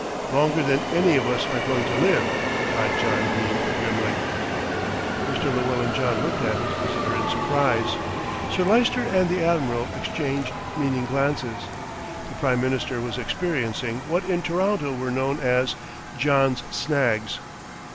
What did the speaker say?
"Longer than any of us are going to live," replied John Dene grimly. Mr. Llewellyn John looked at his visitor in surprise. Sir Lyster and the Admiral exchanged meaning glances. The Prime Minister was experiencing what in Toronto were known as "John's snags."